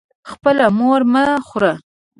خپله مور مه خوره.